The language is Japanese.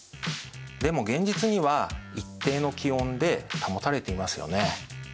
でも現実には一定の気温で保たれていますよね。